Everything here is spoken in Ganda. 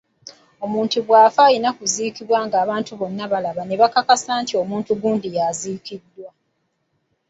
Omuntu bw'afa alina kuziikibwa ng'abantu bonna balaba ne bakakasa nti omuntu gundi ye aziikiddwa.